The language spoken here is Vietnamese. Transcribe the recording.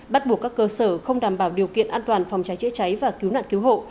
bắt buộc các cơ sở không đảm bảo điều kiện an toàn phòng cháy chữa cháy và cứu nạn cứu hộ